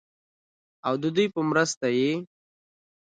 او ددوي پۀ مرسته ئې